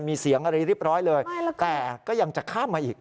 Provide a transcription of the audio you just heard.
มีเสียงอะไรเรียบร้อยเลยแต่ก็ยังจะข้ามมาอีก